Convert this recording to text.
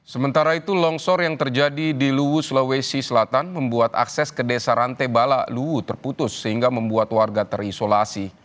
sementara itu longsor yang terjadi di luwu sulawesi selatan membuat akses ke desa rantai balak luwu terputus sehingga membuat warga terisolasi